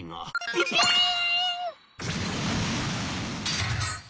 「ピピーン！」。